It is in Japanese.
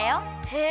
へえ！